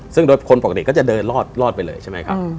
ซึ่งโดยคนปกติก็จะเดินรอดไปเลยใช่ไหมครับ